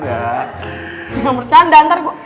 jangan bercanda ntar gue